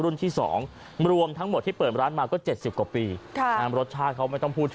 รุ่นที่สองรวมทั้งหมดที่เปิดร้านมาก็เจ็ดสิบกว่าปีค่ะรสชาติเขาไม่ต้องพูด